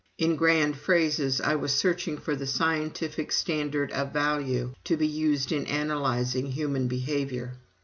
In grand phrases, I was searching for the Scientific Standard of Value to be used in analyzing Human Behavior.